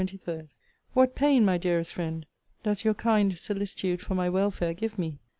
What pain, my dearest friend, does your kind solicitude for my welfare give me!